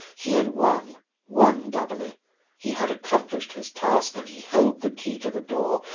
He had won, won doubly. He had accomplished his task, and he held the key to the door.